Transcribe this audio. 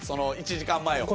１時間前は。